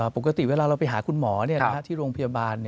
ปกติเวลาเราไปหาคุณหมอที่โรงพยาบาล